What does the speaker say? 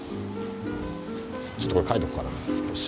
ちょっとこれ描いとこうかな少し。